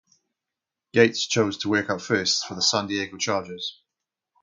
Gates chose to work out first for the San Diego Chargers.